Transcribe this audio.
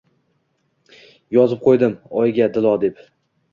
Yozib qoʼydim, oyga “Dilo” deb.